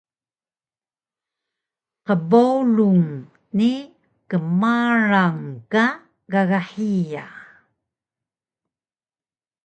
qbowlung ni kmarang ka gaga hiya